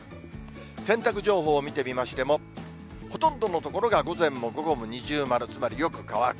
洗濯情報を見てみましても、ほとんどの所が午前も午後も二重丸、つまりよく乾く。